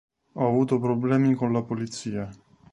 Ho avuto problemi con la polizia".